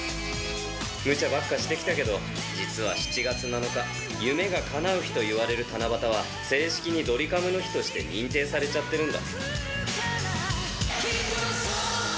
むちゃばっかしてきたけど、実は７月７日、夢がかなう日といわれる七夕は正式にドリカムの日として認定されちゃってるんだ。